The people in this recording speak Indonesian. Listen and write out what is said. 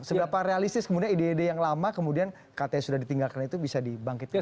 seberapa realistis kemudian ide ide yang lama kemudian kata yang sudah ditinggalkan itu bisa dibangkitkan